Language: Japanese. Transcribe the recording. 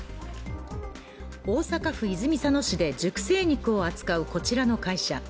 大阪府泉佐野市で熟成肉を扱うこちらの会社。